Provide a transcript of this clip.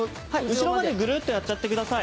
後ろまでグルっとやっちゃってください。